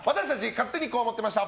勝手にこう思ってました！